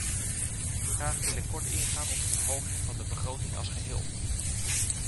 Graag wil ik kort ingaan op de verhoging van de begroting als geheel.